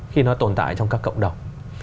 khi nó tồn tại trong các cộng đồng